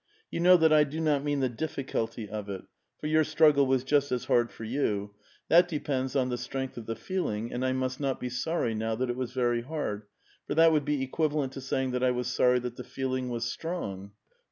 You know that I do not mean the difficulty of it — 864 A VITAL QUESTION. for your struggle was just as hard for you ; that depends on the strength of the feeling, and I must not be sorry now that it was very hard, for that would be equivalent to saying that I was sorry that the feeling was strong.